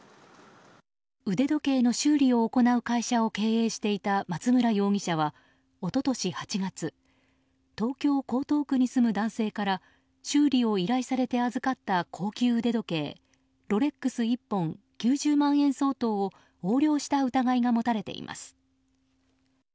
腕時計の修理を行う会社を経営していた松村容疑者は一昨年８月東京・江東区に住む男性から修理を依頼されて預かった高級腕時計ロレックス１本、９０万円相当を横領した疑いが持たれています。